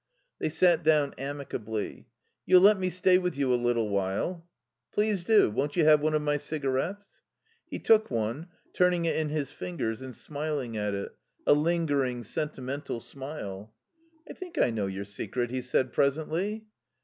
They sat down amicably. "You'll let me stay with you a little while?" "Please do. Won't you have one of my cigarettes?" He took one, turning it in his fingers and smiling at it a lingering, sentimental smile. "I think I know your secret," he said presently.